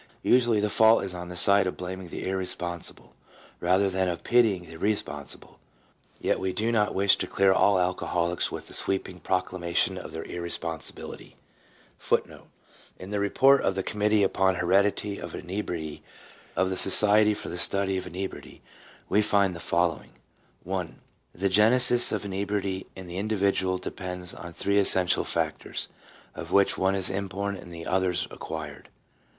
Usually the fault is on the side of blaming the irresponsible, rather than of pitying the respon sible, yet we do not wish to clear all alcoholics with a sweeping proclamation of their irresponsibility. 1 1 In the Report of the Committee upon the Heredity of Inebriety, of the Society for the Study of Inebriety, we find the following: — "I. The genesis of inebriety in the individual depends on three essential factors, of which one is inborn and the others acquired.